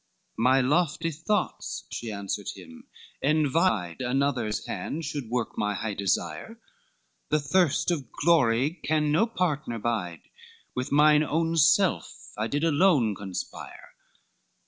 XXIII "My lofty thoughts," she answered him, "envied Another's hand should work my high desire, The thirst of glory can no partner bide, With mine own self I did alone conspire."